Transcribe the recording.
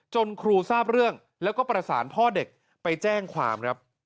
จนครูทราบเรื่องและประสานพ่อเด็กไปแจ้งความ